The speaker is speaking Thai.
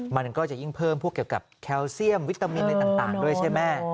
มันก็จะยิ่งเพิ่มพวกเกี่ยวกับแคลเซียมวิตามินอะไรต่างด้วยใช่ไหม